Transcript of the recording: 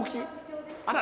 あら。